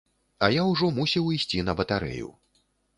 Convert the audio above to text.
А я ўжо мусіў ісці на батарэю.